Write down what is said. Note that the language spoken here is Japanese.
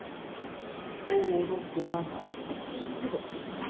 ５６７８度。